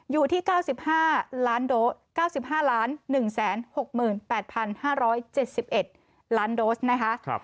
อยู่ที่๙๕๙๕๑๖๘๕๗๑ล้านโดสนะคะ